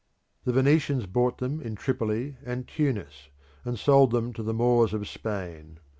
The Venetians bought them in Tripoli and Tunis, and sold them to the Moors of Spain.